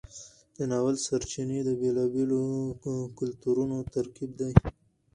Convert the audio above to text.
د ناول سرچینې د بیلابیلو کلتورونو ترکیب دی.